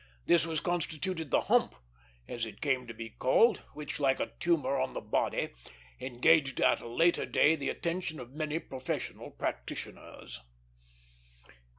Thus was constituted the "hump," as it came to be called, which, like a tumor on the body, engaged at a later day the attention of many professional practitioners.